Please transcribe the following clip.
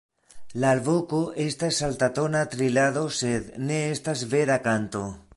La alvoko estas altatona trilado sed ne estas vera kanto.